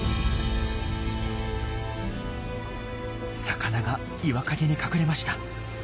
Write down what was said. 魚が岩陰に隠れました。